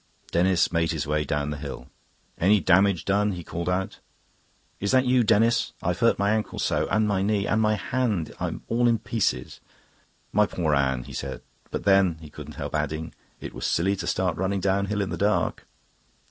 Denis made his way down the hill. "Any damage done?" he called out. "Is that you, Denis? I've hurt my ankle so and my knee, and my hand. I'm all in pieces." "My poor Anne," he said. "But then," he couldn't help adding, "it was silly to start running downhill in the dark."